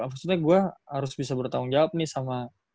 maksudnya gue harus bisa bertanggung jawab nih sama